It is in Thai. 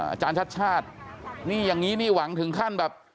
อาจารย์ชาติชาตินี่อย่างนี้นี่หวังถึงขั้นแบบ